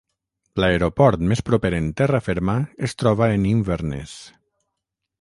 L'aeroport més proper en terra ferma es troba en Inverness.